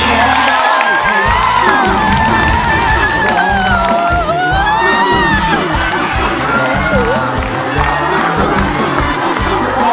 อร่อย